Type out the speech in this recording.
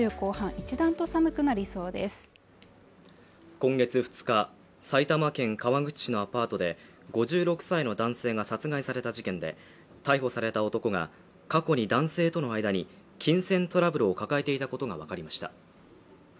今月２日埼玉県川口市のアパートで５６歳の男性が殺害された事件で逮捕された男が過去に男性との間に金銭トラブルを抱えていたことが分かりました